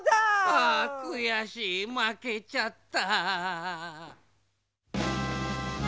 あくやしいまけちゃった。